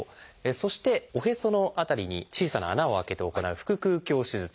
そしておへその辺りに小さな穴を開けて行う「腹腔鏡手術」。